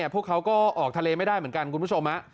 พวกเขาก็ออกทะเลไม่ได้เหมือนกันคุณผู้ชม